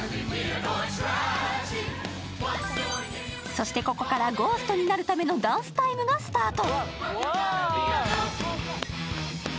そして、ここからゴーストになるためのダンスタイムがスタート。